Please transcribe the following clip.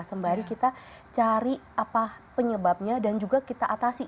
sembari kita cari apa penyebabnya dan juga kita atasi